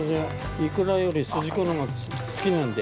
◆イクラよりすじこのほうが好きなんで。